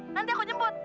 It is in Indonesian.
nanti aku nyebut